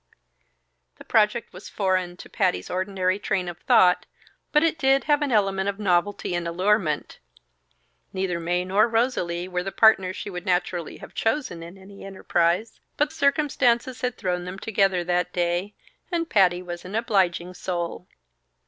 The project was foreign to Patty's ordinary train of thought, but it did have an element of novelty and allurement. Neither Mae nor Rosalie were the partners she would naturally have chosen in any enterprise, but circumstances had thrown them together that day, and Patty was an obliging soul.